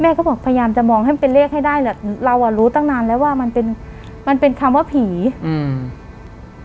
เขาบอกพยายามจะมองให้มันเป็นเลขให้ได้แหละเราอ่ะรู้ตั้งนานแล้วว่ามันเป็นมันเป็นคำว่าผีอืม